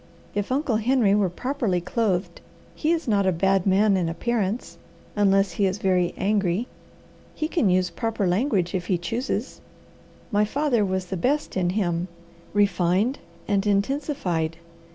If Uncle Henry were properly clothed, he is not a bad man in appearance, unless he is very angry. He can use proper language, if he chooses. My father was the best in him, refined and intensified.